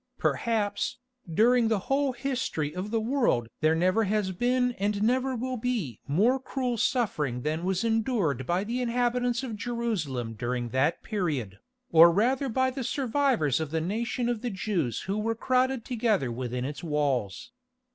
Perhaps, during the whole history of the world there never has been and never will be more cruel suffering than was endured by the inhabitants of Jerusalem during that period, or rather by the survivors of the nation of the Jews who were crowded together within its walls.